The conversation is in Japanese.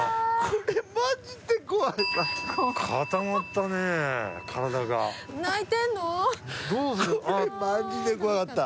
これマジで怖かった。